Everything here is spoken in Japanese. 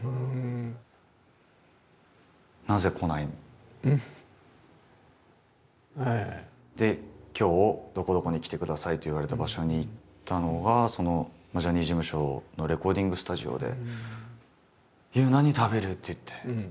そしたら今日どこどこに来てくださいって言われた場所に行ったのがジャニーズ事務所のレコーディングスタジオで。